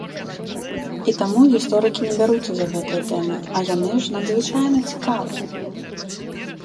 І таму гісторыкі не бяруцца за гэтыя тэмы, а яны ж надзвычайна цікавыя!